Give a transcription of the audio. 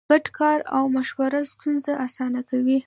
ګډ کار او مشوره ستونزې اسانه کوي.